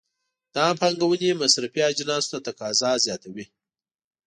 دغه پانګونې مصرفي اجناسو ته تقاضا زیاتوي.